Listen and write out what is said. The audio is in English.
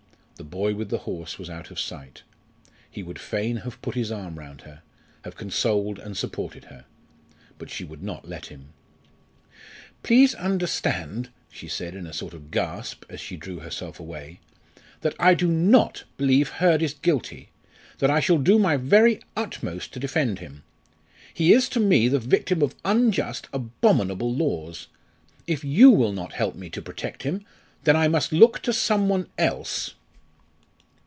The boy with the horse was out of sight. He would fain have put his arm round her, have consoled and supported her. But she would not let him. "Please understand," she said in a sort of gasp, as she drew herself away, "that I do not believe Hurd is guilty that I shall do my very utmost to defend him. He is to me the victim of unjust, abominable laws! If you will not help me to protect him then I must look to some one else."